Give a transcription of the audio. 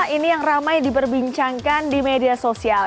ini yang ramai diperbincangkan di media sosial